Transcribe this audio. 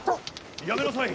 やめなさい！